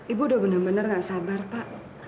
ibu udah bener bener gak sabar pak